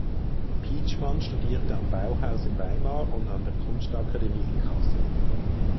Pietschmann studierte am Bauhaus in Weimar und an der Kunstakademie in Kassel.